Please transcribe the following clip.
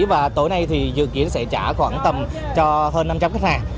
và tối nay thì dự kiến sẽ trả khoảng tầm cho hơn năm trăm linh khách hàng